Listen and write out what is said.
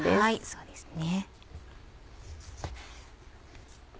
そうですね。